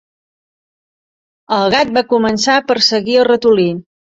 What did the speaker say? El gat va començar a perseguir el ratolí.